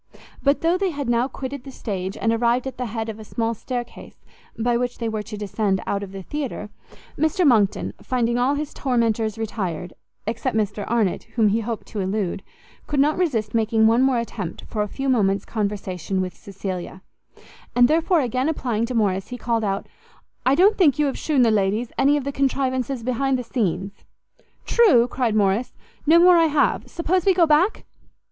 But though they had now quitted the stage, and arrived at the head of a small stair case by which they were to descend out of the theatre, Mr Monckton, finding all his tormentors retired, except Mr Arnott, whom he hoped to elude, could not resist making one more attempt for a few moments' conversation with Cecilia; and therefore, again applying to Morrice, he called out, "I don't think you have shewn the ladies any of the contrivances behind the scenes?" "True," cried Morrice, "no more I have; suppose we go back?"